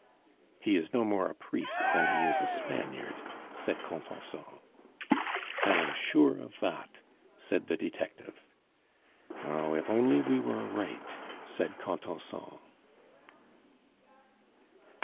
"He is no more a priest than he is a Spaniard," said Contenson. "I am sure of that," said the detective. "Oh, if only we were right!" said Contenson.